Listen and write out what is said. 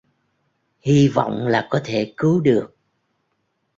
Hi vọng là có thể cứu được